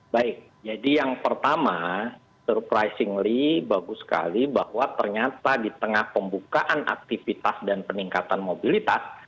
baik jadi yang pertama surprisingly bagus sekali bahwa ternyata di tengah pembukaan aktivitas dan peningkatan mobilitas